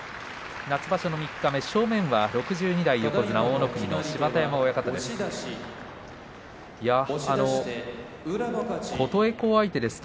夏場所、三日目正面が６２代横綱大乃国の芝田山親方です。